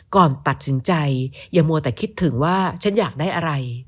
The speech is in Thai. ก่อนตัดสินใจอย่ามัวแต่คิดถึงว่าฉันอยากได้อะไร